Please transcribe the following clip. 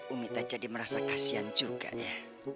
umi tak jadi merasa kasihan juga ya